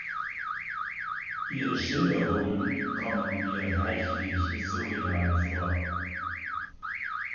Ihre Schilderungen kommen mir reichlich surreal vor.